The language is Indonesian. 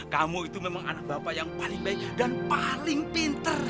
kamu itu memang anak bapak yang paling baik dan paling pinter